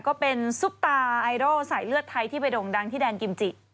ซุปตาไอดอลสายเลือดไทยที่ไปด่งดังที่แดนกิมจิ